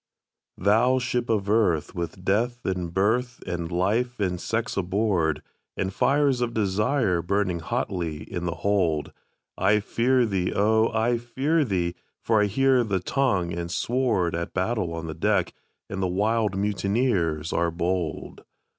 "Thou Ship of Earth, with Death, and Birth, and Life, and Sex aboard, And fires of Desires burning hotly in the hold, I fear thee, O! I fear thee, for I hear the tongue and sword At battle on the deck, and the wild mutineers are bold!